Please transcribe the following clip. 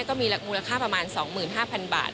ก็มีมูลค่าประมาณ๒๕๐๐๐บาท